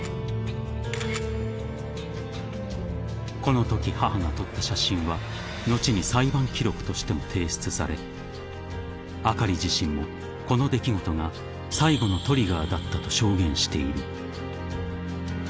［このとき母が撮った写真は後に裁判記録としても提出されあかり自身もこの出来事が最後のトリガーだったと証言している］